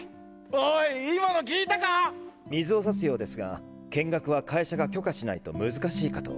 おい今の聞いたか⁉水を差すようですが見学は会社が許可しないと難しいかと。